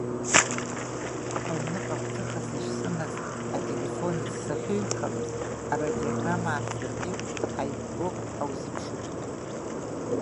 Аҩныҟа гәҭыхас ишсымаз ателефон азы сахьыҩхалаз, арадиограмма аасдыркит ҳаибгоуп, ҳаузыԥшуп, ҳәа.